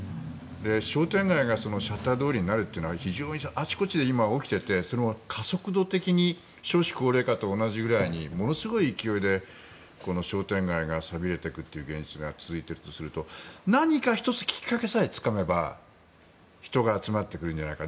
商店街がシャッター通りになるというのは非常にあちこちで今、起きてて加速度的に少子高齢化と同じぐらいにものすごい勢いで商店街が寂れていくという現実が続いているとすると何か１つきっかけさえつかめば人が集まってくるんじゃないか。